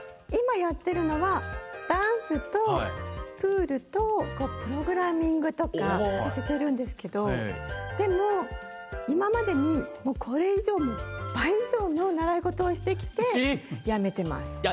今やってるのはダンスとプールとプログラミングとかさせてるんですけどでも今までにこれ以上倍以上の習い事をしてきてやめてます。